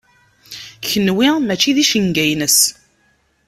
Kenwi mačči d icenga-ines.